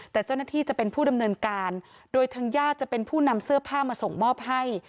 แต่เจ้าหน้าที่จะเป็นผู้ดำเนินการโดยทางญาติจะเป็นผู้นำเสื้อผ้ามาส่งมอบให้